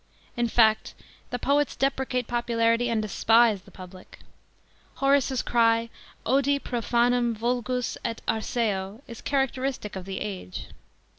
In fact the poetc deprecate popularity and despise the public. Horace's cry "OJi prolanum vulgus et arceo" is characteristic of the age.